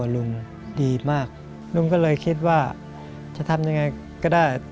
ลุงก็เลยคิดว่าจะทำยังไงก็ได้